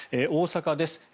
大阪です。